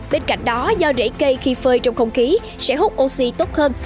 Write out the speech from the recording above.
bên cạnh đó do rễ cây khi phơi trong không khí sẽ hút oxy tốt hơn